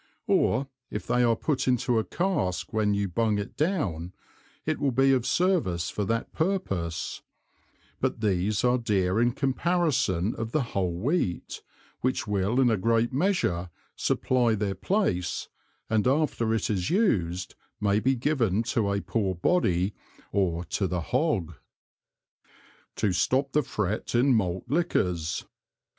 Or if they are put into a Cask when you Bung it down, it will be of service for that purpose; but these are dear in Comparison of the whole Wheat, which will in a great measure supply their Place, and after it is used, may be given to a poor Body, or to the Hog. To stop the Fret in Malt Liquors.